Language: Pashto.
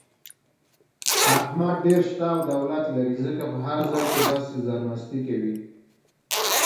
احمد ډېر شته او دولت لري، ځکه په هر ځای کې داسې زرمستي کوي.